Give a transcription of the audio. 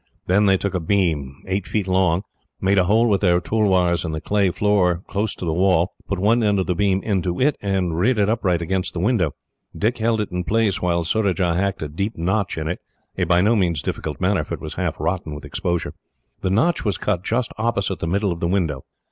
Then they took a beam, eight feet long, made a hole with their tulwars in the clay floor close to the wall, put one end of the beam into it, and reared it upright against the window. Dick held it in its place, while Surajah hacked a deep notch in it a by no means difficult matter, for it was half rotten with exposure. The notch was cut just opposite the middle of the window.